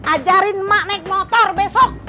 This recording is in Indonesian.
ajarin mak naik motor besok